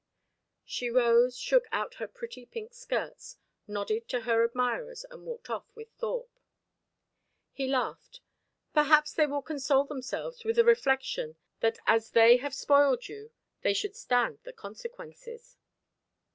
She rose, shook out her pretty pink skirts, nodded to her admirers, and walked off with Thorpe. He laughed. "Perhaps they will console themselves with the reflection that as they have spoiled you, they should stand the consequences."